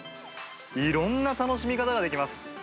いろんな楽しみ方ができます。